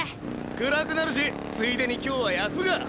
暗くなるしついでに今日は休むか。